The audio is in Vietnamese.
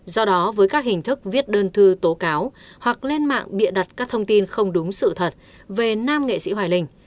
do đó với các hình thức viết đơn thư tố cáo hoặc lên mạng bịa đặt các thông tin không đúng sự thật về nam nghệ sĩ hoài linh